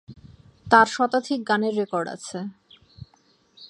তার শতাধিক গানের রেকর্ড আছে।